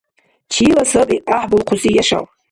Чила саби гӀяхӀбулхъуси яшав?